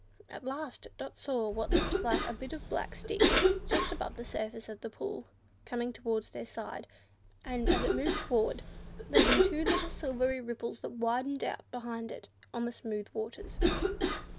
At last Dot saw what looked like a bit of black stick, just above the surface of the pool, coming towards their side, and, as it moved forward, leaving two little silvery ripples that widened out behind it on the smooth waters.